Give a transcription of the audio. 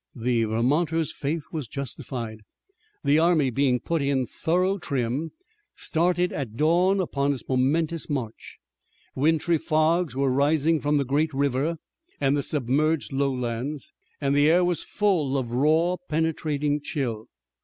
The Vermonter's faith was justified. The army, being put in thorough trim, started at dawn upon its momentous march. Wintry fogs were rising from the great river and the submerged lowlands, and the air was full of raw, penetrating chill.